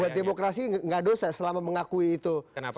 buat demokrasi gak dosa selama mengakui itu